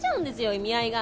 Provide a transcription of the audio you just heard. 意味合いが。